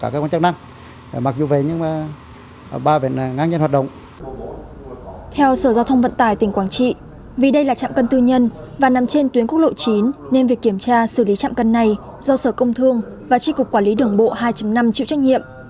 theo sở giao thông vận tải tỉnh quảng trị vì đây là trạm cân tư nhân và nằm trên tuyến quốc lộ chín nên việc kiểm tra xử lý trạm cân này do sở công thương và tri cục quản lý đường bộ hai năm chịu trách nhiệm